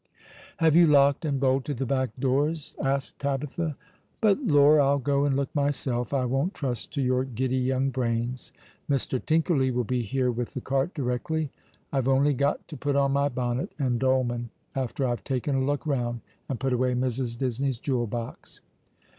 " Have you locked and bolted the back doors ?" asked 6o All along the River. Tabitlia; "but, lor, I'll go and look myself; I won't trust to your giddy young brains. Mr. Tinkerly will be here with the cart directly. I've only got to put on my bonnet and dolman, after I've taken a look round, and put away Mrs. Disney's jewel box."